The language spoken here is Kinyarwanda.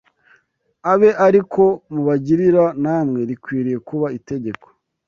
abe ari ko mubagirira namwe rikwiriye kuba itegeko